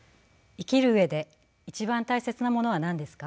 生きる上で一番大切なものは何ですか？